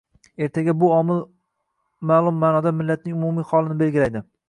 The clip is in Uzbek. ertaga bu omil ma’lum ma’noda millatning umumiy holini belgilaydi.